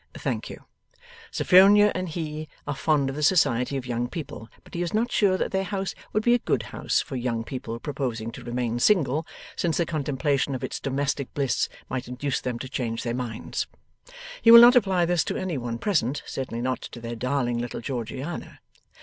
Thank you! Sophronia and he are fond of the society of young people; but he is not sure that their house would be a good house for young people proposing to remain single, since the contemplation of its domestic bliss might induce them to change their minds. He will not apply this to any one present; certainly not to their darling little Georgiana.